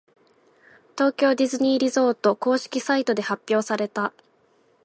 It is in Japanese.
東京ディズニーリゾート公式サイトで発表された。